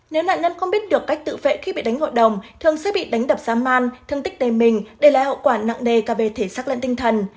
nếu nạn nhân không biết được cách tự vệ khi bị đánh hội đồng thường sẽ bị đánh đập giá man thương tích đề mình để lại hậu quả nặng đề cao về thể sắc lẫn tinh thần